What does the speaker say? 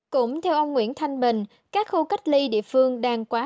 cũng theo ông nguyễn thanh bình các khu cách ly địa phương đang quá